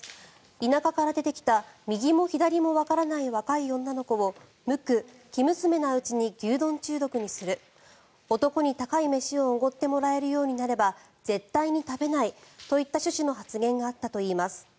田舎から出てきた右も左もわからない若い女の子を無垢・生娘のうちに牛丼中毒にする男に高い飯をおごってもらえるようになれば絶対に食べないといった趣旨の発言があったといいます。